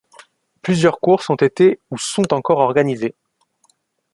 Plusieurs courses ont été ou sont encore organisées.